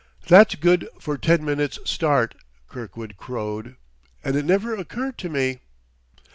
"That's good for ten minutes' start!" Kirkwood crowed. "And it never occurred to me